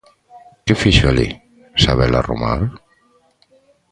Que fixo alí, Sabela Romar?